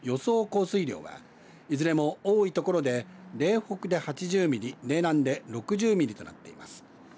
降水量はいずれも多い所で嶺北で８０ミリ嶺南で６０ミリとなっています。